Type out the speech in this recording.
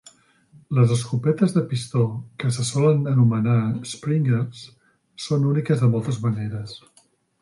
Les escopetes de pistó, que se solen anomenar "springers", són úniques de moltes maneres.